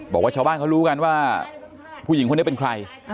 บอกว่าชาวบ้านเขารู้กันว่าผู้หญิงคนนี้เป็นใคร